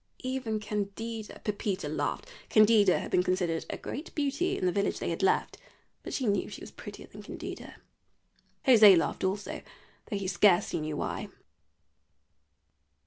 Even Candida " Pepita laughed. Candida had been considered a great beauty in the village they had left, but she knew she was prettier than Candida. José laughed also, though he scarcely knew why.